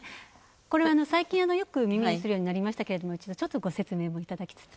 これは、最近よく耳にするようになりましたけれどもちょっとご説明もいただきつつ。